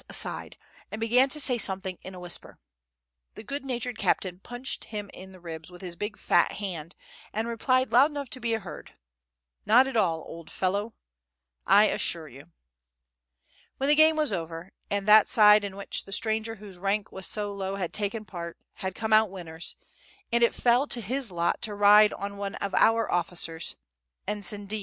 aside, and began to say something in a whisper. The good natured captain punched him in the ribs with his big, fat hand, and replied, loud enough to be heard: "Not at all, old fellow [Footnote: Batenka, Malo Russian diminutive, little father], I assure you." When the game was over, and that side in which the stranger whose rank was so low had taken part, had come out winners, and it fell to his lot to ride on one of our officers, Ensign D.